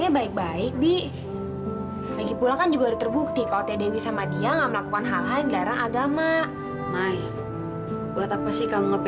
ya mama ngerti tapi kamu harus kuat